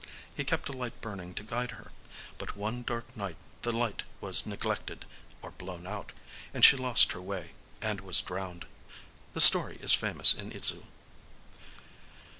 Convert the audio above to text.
He kept a light burning to guide her. But one dark night the light was neglected—or blown out; and she lost her way, and was drowned…. The story is famous in Idzu."